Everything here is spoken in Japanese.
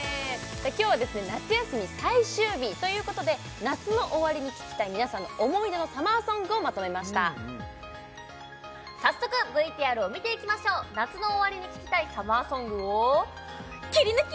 今日はですね夏休み最終日ということで夏の終わりに聴きたい皆さんの思い出のサマーソングをまとめました早速ＶＴＲを見ていきましょう夏の終わりに聴きたいサマーソングをキリヌキ！